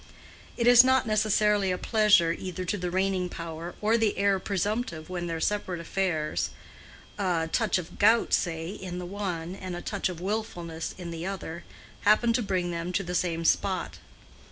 It is not necessarily a pleasure either to the reigning power or the heir presumptive when their separate affairs—a touch of gout, say, in the one, and a touch of willfulness in the other—happen to bring them to the same spot.